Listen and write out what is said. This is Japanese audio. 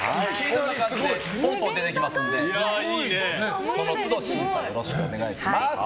こんな感じでポンポン出てきますのでその都度審査よろしくお願いします。